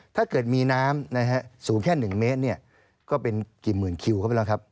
ถ้าเกิดมีน้ำนะฮะสูงแค่๑เมตรก็เป็นกี่หมื่นคิวเข้าไปแล้วครับ